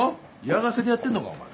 嫌がらせでやってんのかお前！